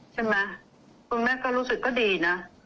ใช่ไหมคุณแม่ก็รู้สึกก็ดีนะ